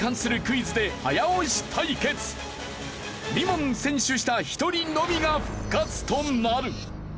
２問先取した１人のみが復活となる。